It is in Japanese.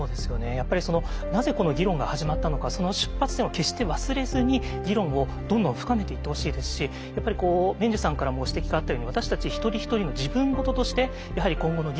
やっぱりなぜこの議論が始まったのかその出発点を決して忘れずに議論をどんどん深めていってほしいですしやっぱり毛受さんからもご指摘があったように私たち一人一人の自分事としてやはり今後の議論